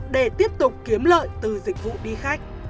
để tiếp tục kiếm lợi từ dịch vụ đi khách